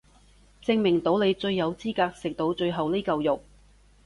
證明到你最有資格食到最後呢嚿肉